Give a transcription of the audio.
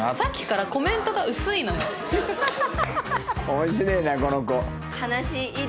面白えなこの子。